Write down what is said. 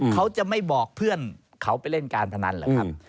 เขาจะไม่บอกเพื่อนเขาไปเล่นการพนันเหรอครับ